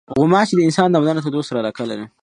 غوماشې د انسان د بدن له تودوخې سره علاقه لري.